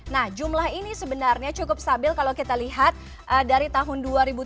nah jumlah ini sebenarnya cukup stabil kalau kita lihat dari tahun dua ribu tujuh belas